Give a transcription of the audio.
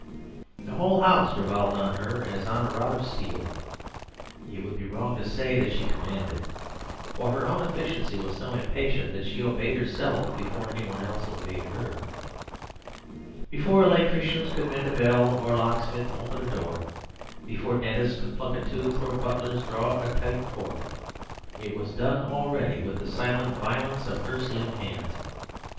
The whole house revolved on her as on a rod of steel. It would be wrong to say that she commanded; for her own efficiency was so impatient that she obeyed herself before any one else obeyed her. Before electricians could mend a bell or locksmiths open a door, before dentists could pluck a tooth or butlers draw a tight cork, it was done already with the silent violence of her slim hands.